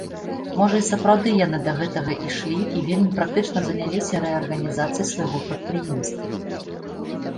Можа, і сапраўды яны да гэтага ішлі і вельмі практычна заняліся рэарганізацыяй свайго прадпрыемства.